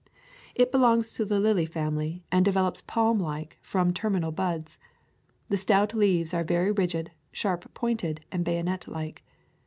It belongs to the lily family and [ 132 ] Cedar Keys develops palmlike from terminal buds. The stout leaves are very rigid, sharp pointed and bayonet like.